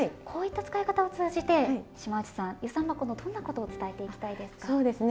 こういった使い方を通じて島内さん遊山箱のどんなことを伝えていきたいですか？